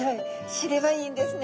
知ればいいんですね。